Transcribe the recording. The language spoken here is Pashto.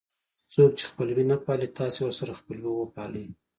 څوک چې خپلوي نه پالي تاسې ورسره خپلوي وپالئ.